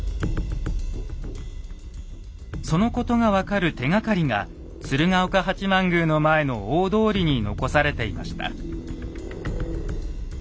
そのことが分かる手がかりが鶴岡八幡宮の前の大通りに残されていました。